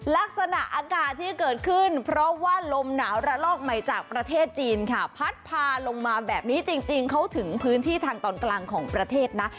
ลักษณะอากาศที่เกิดขึ้นเพราะว่าลมหนาวระลอกใหม่จากประเทศจีนค่ะพัดพาลงมาแบบนี้จริงเขาถึงพื้นที่ทางตอนกลางของประเทศนะ